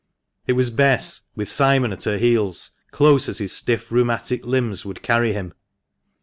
It was Bess, with Simon at her heels, close as his stiff rheumatic limbs would carry him.